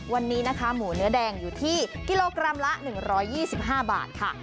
วันนี้นะคะหมูเนื้อแดงอยู่ที่กิโลกรัมละ๑๒๕บาทค่ะ